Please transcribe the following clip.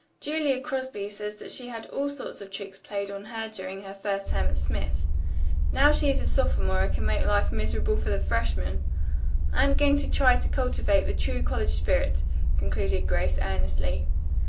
Julia Crosby says that she had all sorts of tricks played on her during her first term at Smith. Now she's a sophomore and can make life miserable for the freshmen. I am going to try to cultivate the true college spirit," concluded Grace earnestly.